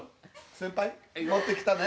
先輩、乗ってきたね。